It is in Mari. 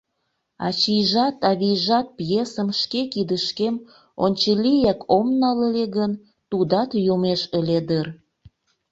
«Ачийжат-авийжат» пьесым шке кидышкем ончылияк ом нал ыле гын, тудат йомеш ыле дыр.